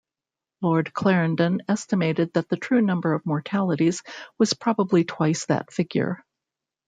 Lord Clarendon estimated that the true number of mortalities was probably twice that figure.